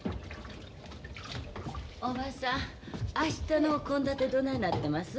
おばさん明日のお献立どないなってます？